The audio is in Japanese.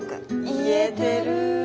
言えてる。